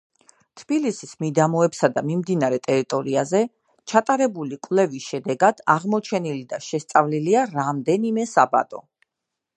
თბილისის მიდამოებსა და მიმდებარე ტერიტორიაზე ჩატარებული კვლევის შედეგად აღმოჩენილი და შესწავლილია რამდენიმე საბადო.